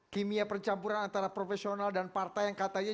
kimia percampuran antara profesional dan partai yang katanya